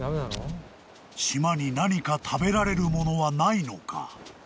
［島に何か食べられる物はないのか］